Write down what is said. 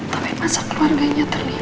tapi masa keluarganya terlibat